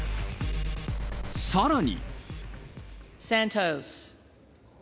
さらに。